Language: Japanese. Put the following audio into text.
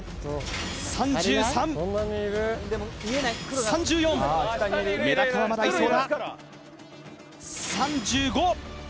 ３３３４メダカはまだいそうだ３５！